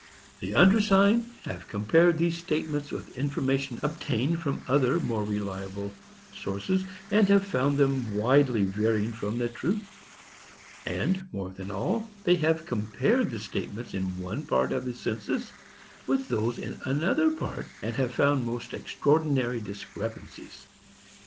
"The undersigned have compared these statements with information obtained from other more reliable sources, and have found them widely varying from the truth; and, more than all, they have compared the statements in one part of the census with those in another part, and have found most extraordinary discrepances.